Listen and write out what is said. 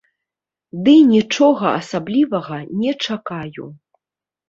Ды нічога асаблівага не чакаю.